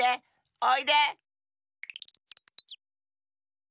おいで！